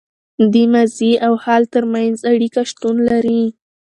د ماضي او حال تر منځ اړیکه شتون لري.